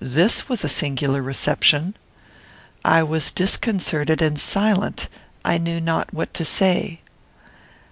This was a singular reception. I was disconcerted and silent. I knew not what to say.